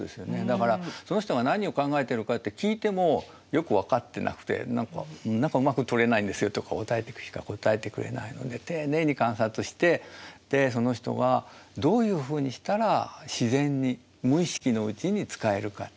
だからその人が何を考えているかって聞いてもよく分かってなくて何かうまく通れないんですよと答えてくれないので丁寧に観察してその人がどういうふうにしたら自然に無意識のうちに使えるかっていうのを発見する。